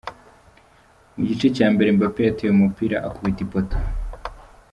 Mu gice cya mbere Mbappe yateye umupira ukubita ipoto.